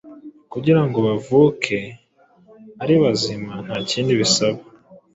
kugirango bavuke aribazima ntakindi bisaba